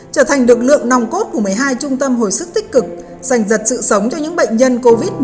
trở thành lực lượng nòng cốt của một mươi hai trung tâm hồi sức tích cực dành giật sự sống cho những bệnh nhân covid một mươi chín